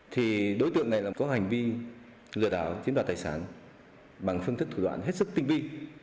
thì đối tượng này có hành vi lừa đảo chiếm đoạt tài sản bằng phương thức thủ đoạn hết sức tinh vi